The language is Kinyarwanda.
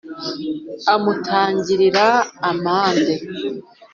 amutangirira amande